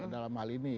dalam hal ini